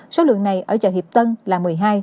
số lượng này ở chợ hiệp tân là một mươi hai